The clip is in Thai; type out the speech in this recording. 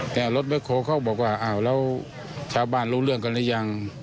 แล้วรถแบ็คโครเขาบอกว่าชาวบ้านรู้เรื่องกันหรือยัง